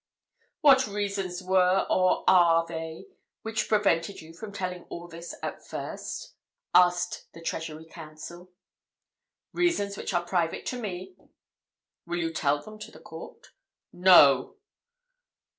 "What reasons were or are they which prevented you from telling all this at first?" asked the Treasury Counsel. "Reasons which are private to me." "Will you tell them to the court?" "No!"